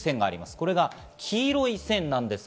これが黄色い線です。